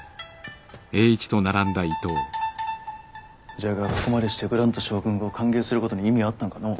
じゃがここまでしてグラント将軍を歓迎することに意味はあったんかのう。